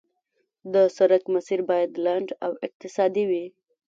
د سړک مسیر باید لنډ او اقتصادي وي